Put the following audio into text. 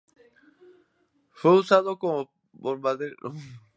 Fue usado como bombardero medio y torpedero.